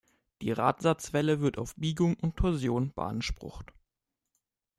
Die Radsatzwelle wird auf Biegung und Torsion beansprucht.